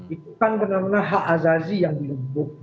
itu kan benar benar hak azazi yang dilumpuh